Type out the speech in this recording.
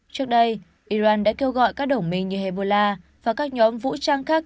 trước đây iran đã kêu gọi các đồng minh như hezbollah và các nhóm vũ trang khác